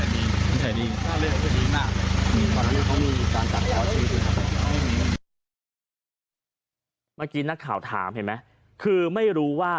เมื่อกี้นักข่าวถามเห็นไหมคือไม่รู้ว่า